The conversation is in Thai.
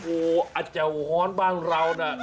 โอ้โฮอาเจ๋วฮ้อนบ้างเราเนี่ย